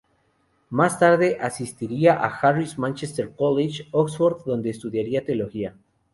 Más tarde asistiría a Harris Manchester College, Oxford, donde estudiaría Teología.